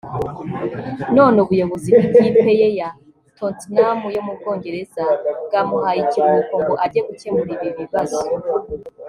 none ubuyobozi bw’ikipe ye ya Tottenham yo mu Bwongereza bwamuhaye ikiruhuko ngo ajye gukemura ibi bibazo